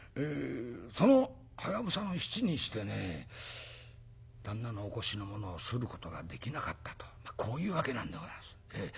そのはやぶさの七にしてね旦那のお腰のものをすることができなかったとこういうわけなんでござんす。